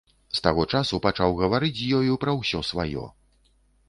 З таго часу пачаў гаварыць з ёю пра ўсё сваё.